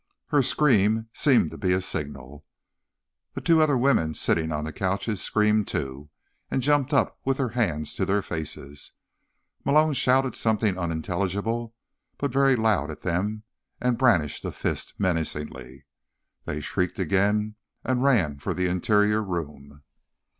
Her scream seemed to be a signal. The two other women sitting on couches screamed, too, and jumped up with their hands to their faces. Malone shouted something unintelligible but very loud at them and brandished a fist menacingly. They shrieked again and ran for the interior room.